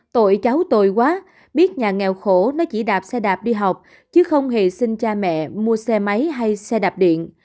tội cháu tồi quá biết nhà nghèo khổ nó chỉ đạp xe đạp đi học chứ không hề xin cha mẹ mua xe máy hay xe đạp điện